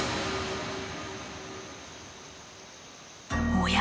おや？